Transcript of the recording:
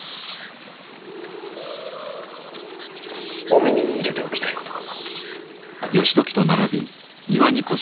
お耳に入れておきたいことが。